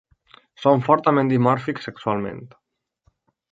Són fortament dimòrfics sexualment.